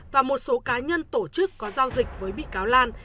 và một số cá nhân tổ chức có giao dịch với bị cáo lan